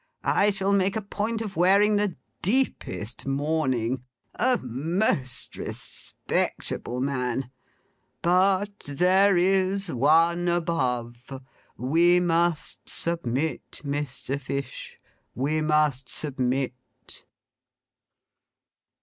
I shall make a point of wearing the deepest mourning. A most respectable man! But there is One above. We must submit, Mr. Fish. We must submit!